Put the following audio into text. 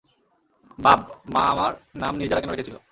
বাব, মা আমার নাম নির্জারা কেন রেখেছিল?